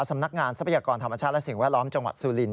ทรัพยากรธรรมชาติและสิ่งแวดล้อมจังหวัดสุรินท